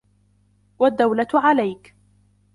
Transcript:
وَالدَّوْلَةُ عَلَيْك